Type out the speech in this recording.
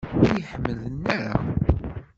Ur iyi-ḥemmlen ara?